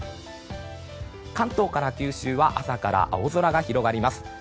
関東から九州は朝から青空が広がります。